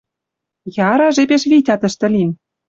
Яра, жепеш Витя тӹштӹ лин.